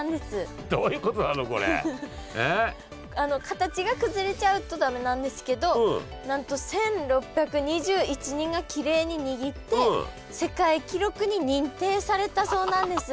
形が崩れちゃうと駄目なんですけどなんと１，６２１人がきれいににぎって世界記録に認定されたそうなんです。